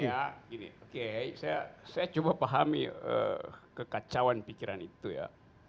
oke saya coba pahami kekacauan pikiran itu ya